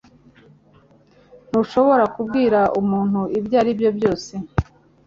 Ntushobora kubwira umuntu ibyo ari byo byose.